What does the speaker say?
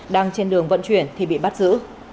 đang trên đường vận chuyển thì bị bắt giữ